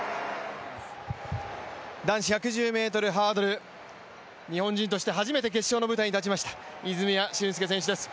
男子１１０ｍハードル日本人として初めて決勝の舞台に立ちました泉谷駿介選手です。